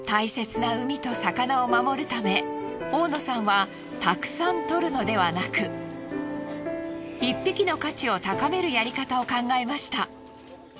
大野さんはたくさん獲るのではなく１匹の価値を高めるやり方を考えました。